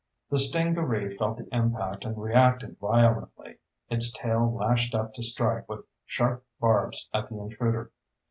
The stingaree felt the impact and reacted violently. Its tail lashed up to strike with sharp barbs at the intruder.